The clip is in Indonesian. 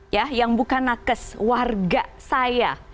ya yang bukan nakes warga saya